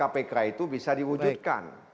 kpk itu bisa diwujudkan